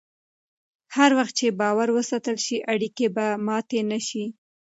هر وخت چې باور وساتل شي، اړیکې به ماتې نه شي.